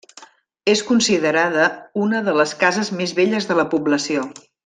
És considerada una de les cases més velles de la població.